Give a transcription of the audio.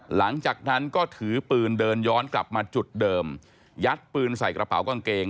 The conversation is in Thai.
หลังจากนั้นก็ถือปืนเดินย้อนกลับมาจุดเดิมยัดปืนใส่กระเป๋ากางเกง